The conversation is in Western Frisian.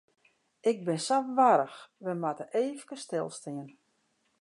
Ik bin sa warch, wy moatte efkes stilstean.